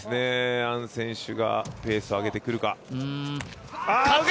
アン選手がペースを上げてくるか。